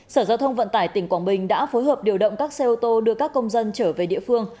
sở giao thông vận tải tỉnh quảng bình đã phối hợp điều động các xe ô tô đưa các công dân trở về địa phương